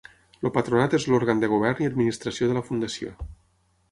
El Patronat és l’òrgan de govern i administració de la Fundació.